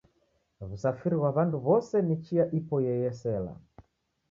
W'usafiri ghwa w'andu w'ose ni chia ipoiye yesela.